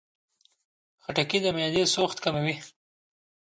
خټکی د معدې سوخت کموي.